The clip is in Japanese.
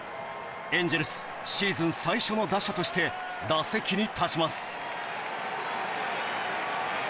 エンジェルスシーズン最初の打者として打席に立ちます。